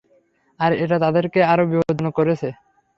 আর এটা তাদেরকে আরও বিপজ্জনক করেছে।